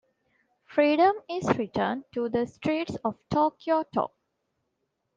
Freedom is returned to the streets of Tokyo-to.